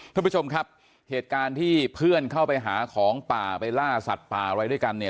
ท่านผู้ชมครับเหตุการณ์ที่เพื่อนเข้าไปหาของป่าไปล่าสัตว์ป่าอะไรด้วยกันเนี่ย